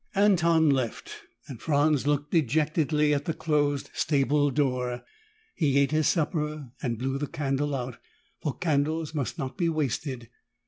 Anton left and Franz looked dejectedly at the closed stable door. He ate his supper and blew the candle out, for candles must not be wasted.